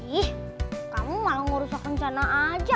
ih kamu malah ngerusak rencana aja